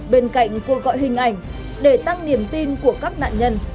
bên cạnh cuộc gọi hình ảnh để tăng niềm tin của các nạn nhân